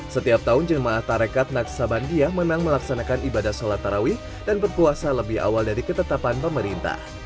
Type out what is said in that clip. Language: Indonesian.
setiap tahun jemaah tarekat naksabandia menang melaksanakan ibadah sholat tarawih dan berpuasa lebih awal dari ketetapan pemerintah